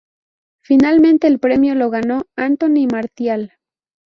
Finalmente el premio lo ganó Anthony Martial.